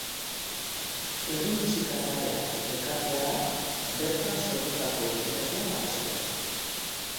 Herri Musika Zaleak elkartea da bertan sortutako egitasmo nagusia.